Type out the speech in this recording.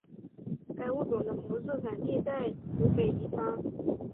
该物种的模式产地在湖北宜昌。